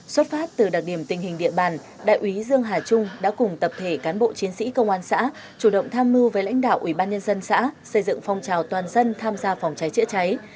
xuất phát từ đặc điểm tình hình địa bàn đại úy dương hà trung đã cùng tập thể cán bộ chiến sĩ công an xã chủ động tham mưu với lãnh đạo ủy ban nhân dân xã xây dựng phong trào toàn dân tham gia phòng cháy chữa cháy